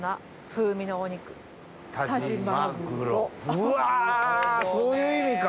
うわそういう意味か！